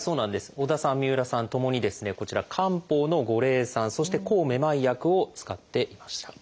織田さん三浦さんともにこちら漢方の五苓散そして抗めまい薬を使っていました。